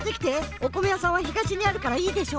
おこめやさんは東にあるからいいでしょ？